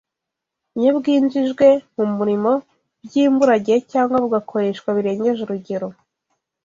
Iyo bwinjijwe mu murimo by’imburagihe cyangwa bugakoreshwa birengeje urugero